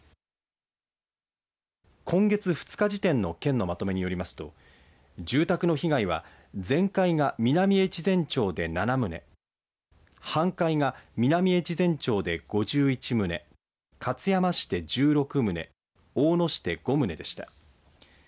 今月２日時点の県のまとめによりますと住宅の被害は全壊が南越前町で７棟、半壊が南越前町で５１棟、勝山市で１６棟、大野市で５棟でした。